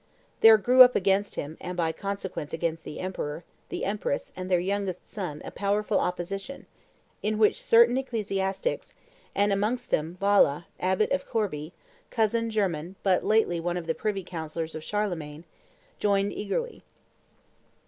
There grew up against him, and, by consequence, against the emperor, the empress, and their youngest son a powerful opposition, in which certain ecclesiastics, and, amongst them, Wala, abbot of Corbie, cousin german and but lately one of the privy counsellors of Charlemagne, joined eagerly.